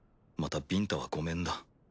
またビンタはごめんだ。